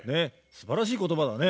すばらしい言葉だね。